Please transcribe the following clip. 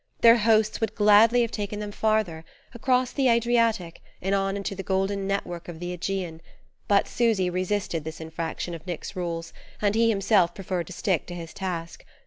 Their hosts would gladly have taken them farther, across the Adriatic and on into the golden network of the Ægean; but Susy resisted this infraction of Nick's rules, and he himself preferred to stick to his task.